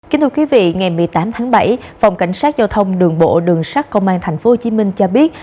kính thưa quý vị ngày một mươi tám tháng bảy phòng cảnh sát giao thông đường bộ đường sắt công an tp hcm cho biết